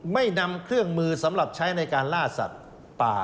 ไม่นำเครื่องมือสำหรับใช้ในการล่าสัตว์ป่า